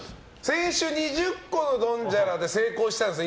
先週、２０個のドンジャラで成功したんですね